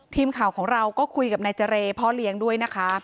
ทีมข่าวของเราก็คุยกับนายเจรพ่อเลี้ยงด้วยนะคะ